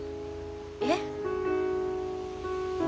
えっ。